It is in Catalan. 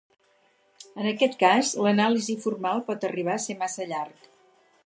En aquest cas, l'anàlisi formal pot arribar a ser massa llarg.